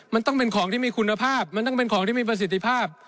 มันต้องเป็นของที่มีคุณภาพมันต้องเป็นของที่มีประสิทธิภาพ